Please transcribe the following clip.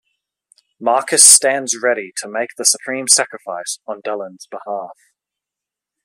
Marcus stands ready to make the supreme sacrifice on Delenn's behalf.